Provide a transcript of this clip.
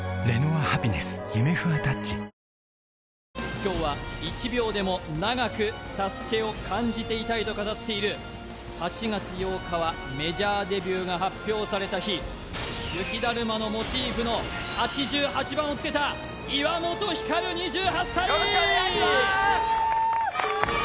今日は１秒でも長くＳＡＳＵＫＥを感じていたいと語っている８月８日はメジャーデビューが発表された日雪だるまのモチーフの８８番をつけたよろしくお願いしまーす！